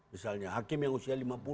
misalnya hakim yang usia lima puluh